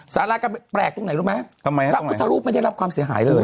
สารากันแปลกตรงไหนรู้ไหมพระพุทธรูปไม่ได้รับความเสียหายเลย